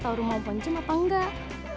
tahu rumah pencium apa enggak